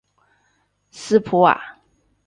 斯普瓦。